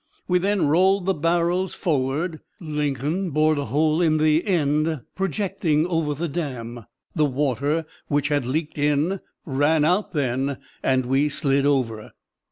We then rolled the barrels forward; Lincoln bored a hole in the end (projecting) over the dam; the water which had leaked in ran out then and we slid over."